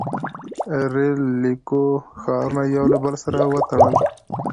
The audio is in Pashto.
• ریل لیکو ښارونه یو له بل سره وتړل.